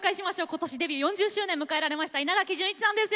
今年デビュー４０周年を迎えられました稲垣潤一さんです。